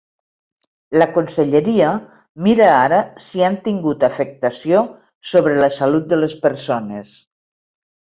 La conselleria mira ara si han tingut afectació sobre la salut de les persones.